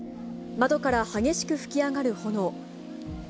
窓から激しく噴き上がる炎。